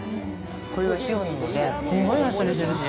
これは塩なのですんごいあっさりしてるし。